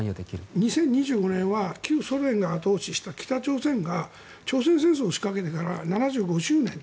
しかも２０２５年は旧ソ連が後押しした北朝鮮が朝鮮戦争を仕掛けてから７５周年。